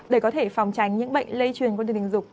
để có thể phòng tránh những bệnh lây truyền qua đường tình dục